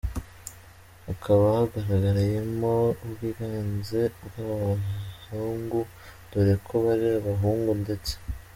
hakaba hagaragayemo ubwiganze bwabahungu dore ko bari abahungu ndetse.